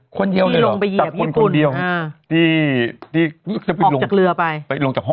คนเดียวเลยเหรอจากคนคนเดียวอ่าที่ที่ออกจากเรือไปไปลงจาก